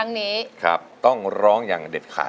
ทั้งในเรื่องของการทำงานเคยทำนานแล้วเกิดปัญหาน้อย